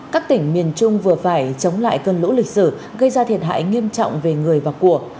các tỉnh miền trung vừa phải chống lại cơn lũ lịch sử gây ra thiệt hại nghiêm trọng về người và của